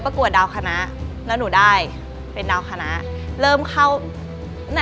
แต่ว่าไม่ใช่สไตล์นางงามแบบนางงามจ๋าอะไรอย่างนี้